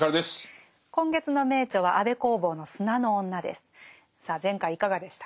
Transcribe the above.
今月の名著は安部公房の「砂の女」です。